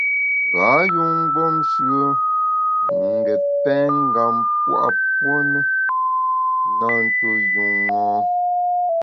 Ghâ yun mgbom shùe n’ ngét pèngam pua puo ne, na ntuo njun ṅa.